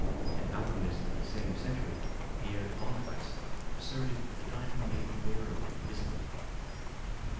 An alchemist of the same century, Pierre de Boniface, asserted that the diamond made the wearer invisible.